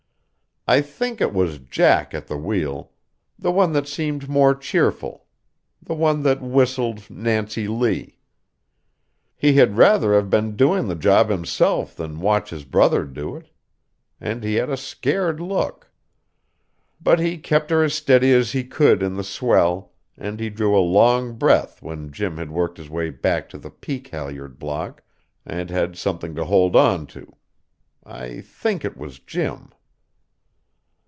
I think it was Jack at the wheel; the one that seemed more cheerful, the one that whistled "Nancy Lee." He had rather have been doing the job himself than watch his brother do it, and he had a scared look; but he kept her as steady as he could in the swell, and he drew a long breath when Jim had worked his way back to the peak halliard block, and had something to hold on to. I think it was Jim.